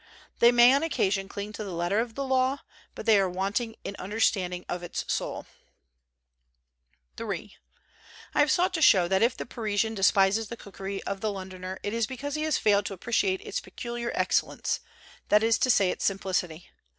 They may on occasion cling to the letter of the law; but they are wanting in understanding of its soul. 192 COSMOPOLITAN COOKERY m I HAVE sought to show that if the Parisian despises the cookery of the Londoner, it is be cause he has failed to appreciate its peculiar ex cellence, that is to say its simplicity.